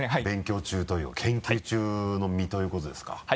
勉強中というか研究中の身ということですか。